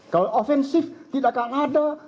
kalau offensif tidak akan ada